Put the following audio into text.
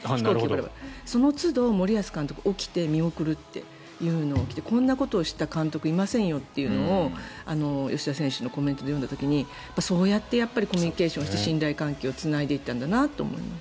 そのつど、森保監督起きて見送るっていうのを見てこんなことした監督はいませんよという吉田選手のコメントを読んだ時にそうやってコミュニケーションして信頼関係をつないでいったんだなと思いました。